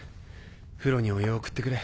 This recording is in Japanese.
風呂にお湯を送ってくれ。